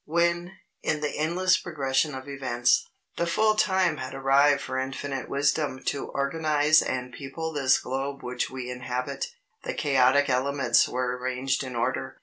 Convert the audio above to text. When, in the endless progression of events, the full time had arrived for infinite wisdom to organize and people this globe which we inhabit, the chaotic elements were arranged in order.